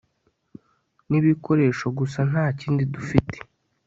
nibikoresho gusa ntakindi dufite